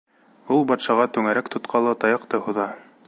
Ул батшаға түңәрәк тотҡалы таяҡты һуҙа: